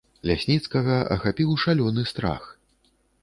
Лясніцкага ахапіў шалёны страх.